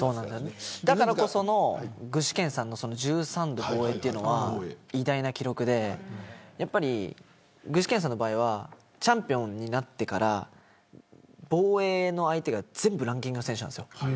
だからこその具志堅さんの１３度防衛は偉大な記録で具志堅さんの場合はチャンピオンになってから防衛の相手が、全部ランキングの選手なんです。